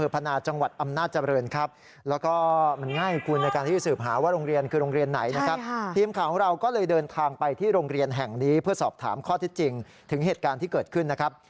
เพื่อสอบถามข้อเท็จจริงถึงเหตุการณ์ที่เกิดขึ้นนะครับ